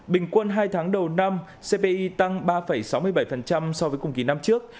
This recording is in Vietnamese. bình quân hai tháng đầu năm cpi tăng ba sáu mươi bảy so với cùng kỳ năm trước